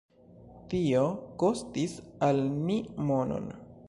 Tio kostis al ni monon.